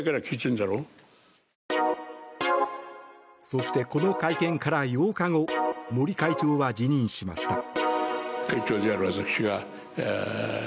そして、この会見から８日後森会長は辞任しました。